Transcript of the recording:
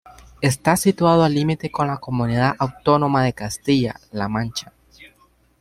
Está situado al límite con la comunidad autónoma de Castilla-La Mancha.